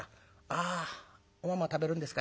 「ああおまんま食べるんですか。